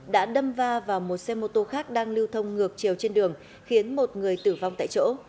đã đâm va vào một xe mô tô khác đang lưu thông ngược chiều trên đường khiến một người tử vong tại chỗ